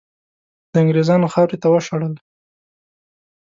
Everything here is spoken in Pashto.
د انګریزانو خاورې ته وشړل.